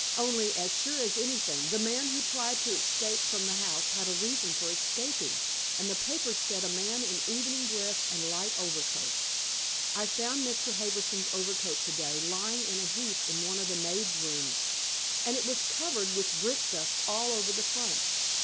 Only, as sure as anything, the man who tried to escape from the house had a reason for escaping, and the papers said a man in evening dress and light overcoat. I found Mr. Harbison's overcoat today lying in a heap in one of the maids' rooms, and it was covered with brick dust all over the front.